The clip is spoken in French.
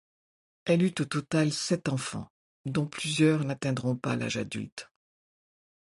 Elle eut au total sept enfants, dont plusieurs n'atteindront pas l'âge adulte.